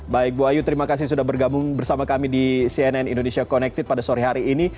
baik bu ayu terima kasih sudah bergabung bersama kami di cnn indonesia connected pada sore hari ini